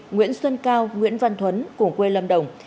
nguyễn xuân cao nguyễn văn thuấn cùng quê lâm đồng